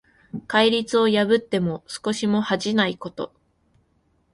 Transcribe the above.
戒律を破っても少しも恥じないこと。